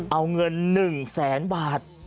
เอาเงิน๑แสนบาท